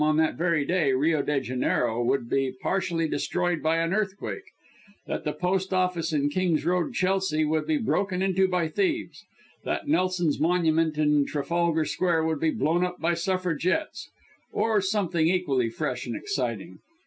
on that very day, Rio de Janeiro would be partially destroyed by an earthquake; that the Post Office in King's Road, Chelsea, would be broken into by thieves; that Nelson's Monument in Trafalgar Square would be blown up by Suffragettes; or something equally fresh and exciting?